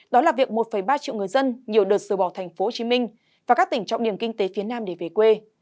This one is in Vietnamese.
đó là việc một ba triệu người dân nhiều đợt rời bỏ tp hcm và các tỉnh trọng điểm kinh tế phía nam để về quê